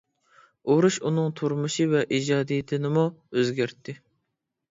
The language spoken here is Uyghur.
ئۇرۇش ئۇنىڭ تۇرمۇشى ۋە ئىجادىيىتىنىمۇ ئۆزگەرتتى.